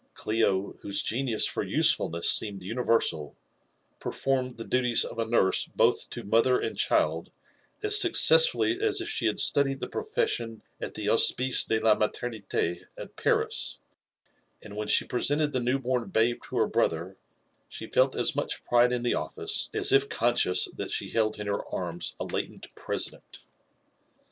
Clfo, whose genius for osefulriesi seemed unitersal, performecf the dtffieis of a nurse both to mother and child as sQCcessfuIlf as H she had studied the profession at the Hospice de la Matemite at Paris ; and when she presented the new born babe to her brother, she felt as much pride in the office as if conscious that she held in her arms a latent President.